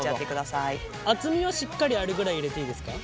厚みはしっかりあるぐらい入れていいですか？